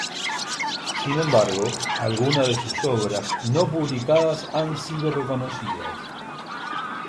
Sin embargo, algunas de sus obras no publicadas han sido reconocidas.